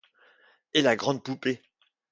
Et la grande poupée!